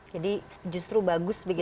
jadi justru bagus begitu ya